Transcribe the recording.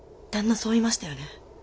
そう言いましたよね？